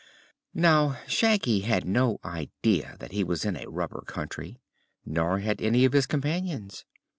Now, Shaggy had no idea that he was in a Rubber Country, nor had any of his companions.